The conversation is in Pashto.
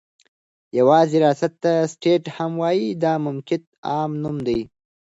يوازي رياست ته سټيټ هم وايي چې دا دمملكت عام نوم دى